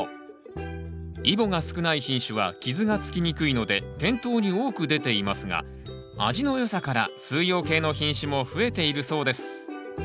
イボが少ない品種は傷がつきにくいので店頭に多く出ていますが味のよさから四葉系の品種も増えているそうです